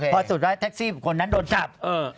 พอสุดว่าแท็กซี่คนนั้นโดนจับ